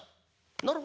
「なるほど。